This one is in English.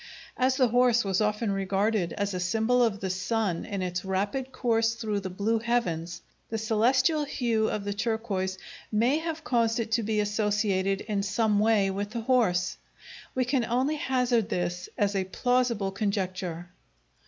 As the horse was often regarded as a symbol of the sun in its rapid course through the blue heavens, the celestial hue of the turquoise may have caused it to be associated in some way with the horse. We can only hazard this as a plausible conjecture.